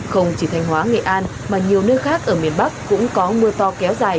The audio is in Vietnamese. không chỉ thanh hóa nghệ an mà nhiều nơi khác ở miền bắc cũng có mưa to kéo dài